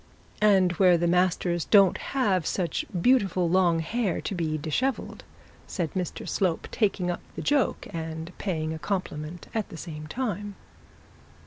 'And where the masters don't have such beautiful long hair to be dishevelled,' said Mr Slope, taking up the joke and paying a compliment at the same time.